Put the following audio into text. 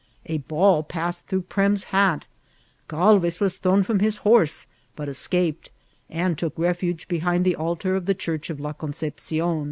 A ball passed throu^ Prem's hat ; Galvez was thrown from his horse, but escaped, Sttd took refuge behind the akar of the Church of La Concepcion.